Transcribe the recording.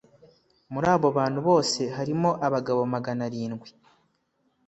muri abo bantu bose harimo abagabo magana arindwi